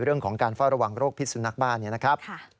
เรื่องของการเฝ้าระวังโรคพิษสุนัขบ้านเนี่ยนะครับ